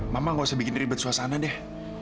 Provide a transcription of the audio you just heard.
mama gak usah bikin ribet suasana deh